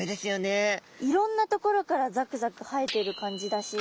いろんなところからザクザク生えている感じだし。